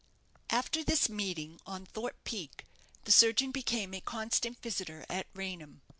After this meeting on Thorpe Peak, the surgeon became a constant visitor at Raynham.